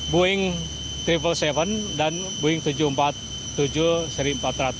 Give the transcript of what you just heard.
boeing tujuh ratus tujuh dan boeing tujuh ratus empat puluh tujuh seribu empat ratus